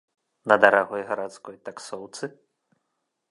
На дарагой гарадской таксоўцы?